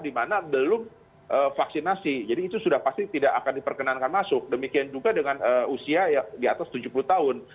dimana belum vaksinasi jadi itu sudah pasti tidak akan diperkenankan masuk demikian juga dengan usia di atas tujuh puluh tahun